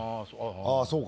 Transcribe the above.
ああそうか。